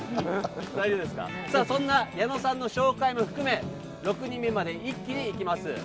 そんな矢野さんの紹介も含め６人目まで一気にいきます。